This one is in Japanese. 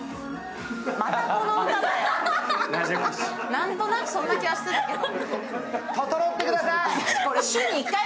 何となくそんな気はしてたんですけど。